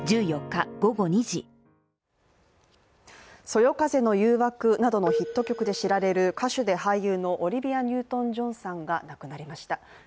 「そよ風の誘惑」などのヒット曲で知られる歌手で俳優のオリビア・ニュートン＝ジョンさんが亡くなりました。